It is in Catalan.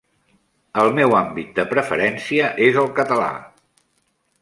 El meu àmbit de preferència és el català.